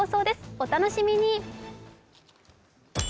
お楽しみに。